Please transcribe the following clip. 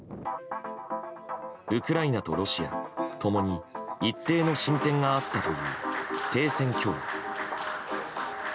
ウクライナとロシア共に一定の進展があったという停戦協議。